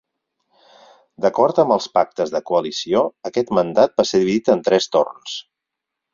D'acord amb els pactes de coalició, aquest mandat va ser dividit en tres torns.